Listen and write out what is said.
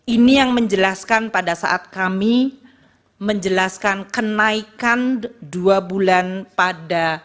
ini yang menjelaskan pada saat kami menjelaskan kenaikan dua bulan pada